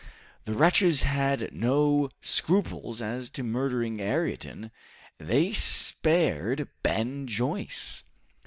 The wretches had no scruples as to murdering Ayrton! They spared Ben Joyce!